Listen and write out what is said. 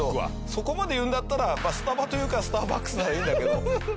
そこまで言うんだったら「スタバ」と言うか「スターバックス」ならいいんだけど。